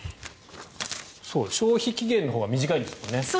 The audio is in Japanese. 消費期限のほうが短いんですよね。